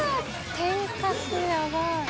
天かすやばい。